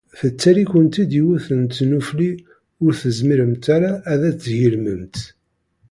Tettali-kent-id yiwet n tnufli ur tezmiremt ara ad d-tgelmemt.